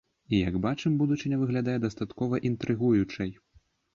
Як бачым, будучыня выглядае дастаткова інтрыгуючай.